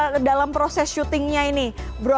bagaimana anda dalam proses syutingnya ini bron